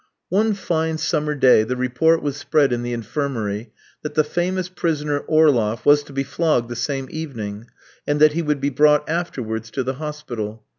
One fine summer day the report was spread in the infirmary that the famous prisoner, Orloff, was to be flogged the same evening, and that he would be brought afterwards to the hospital.